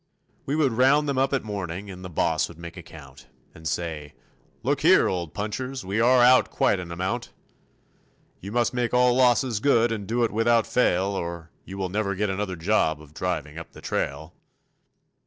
We would round them up at morning and the boss would make a count, And say, "Look here, old punchers, we are out quite an amount; You must make all losses good and do it without fail Or you will never get another job of driving up the trail."